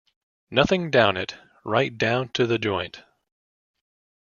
Nothing down it, right down to the joint.